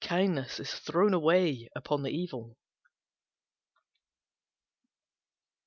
Kindness is thrown away upon the evil.